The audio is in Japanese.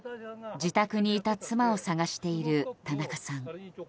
自宅にいた妻を探している田中さん。